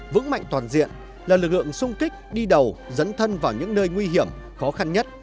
vững mạnh toàn diện là lực lượng sung kích đi đầu dấn thân vào những nơi nguy hiểm khó khăn nhất